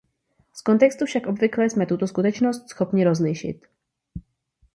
Z kontextu však obvykle jsme tuto skutečnost schopni rozlišit.